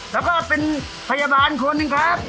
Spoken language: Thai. แล้วก็เป็นพยาบาลคนหนึ่งครับ